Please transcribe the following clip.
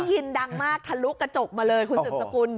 ยินดังมากทะลุกระจกมาเลยคุณสืบสกุล